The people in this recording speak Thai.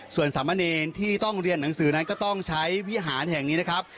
ส่วนสามเณรที่ต้องเรียนหนังสือนั้นก็ต้องใช้วิหารแห่งนี้นะครับ